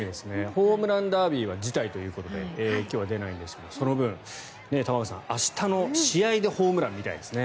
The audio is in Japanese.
ホームランダービーは辞退ということで影響は出ないですがその分、玉川さん、明日の試合でホームランを見たいですね。